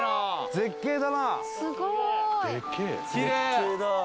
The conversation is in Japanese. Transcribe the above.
絶景だ。